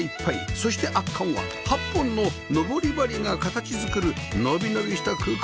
そして圧巻は８本の登り梁が形作る伸び伸びした空間